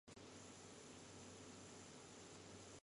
Purtol gite haɗataa hoore nyaameego.